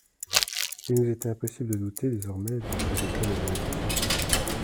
Il nous était impossible de douter, désormais, du résultat de la négociation.